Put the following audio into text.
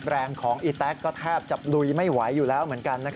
แรงของอีแต๊กก็แทบจะลุยไม่ไหวอยู่แล้วเหมือนกัน